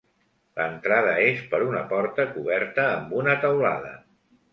L’entrada és per una porta coberta amb una teulada.